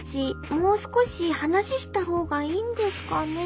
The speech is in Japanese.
もう少し話した方がいいんですかね？